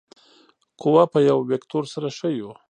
قوه په یو وکتور سره ښیو.